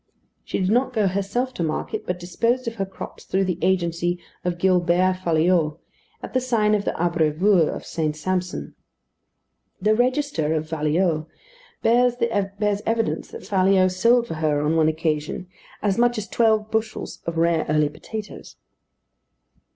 She did not go herself to market, but disposed of her crops through the agency of Guilbert Falliot, at the sign of the Abreveurs of St. Sampson. The register of Falliot bears evidence that Falliot sold for her, on one occasion, as much as twelve bushels of rare early potatoes.